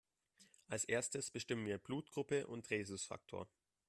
Als Erstes bestimmen wir Blutgruppe und Rhesusfaktor.